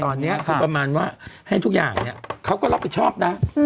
ตอนนี้คือประมาณว่าให้ทุกอย่างเนี่ยเขาก็รับผิดชอบนะ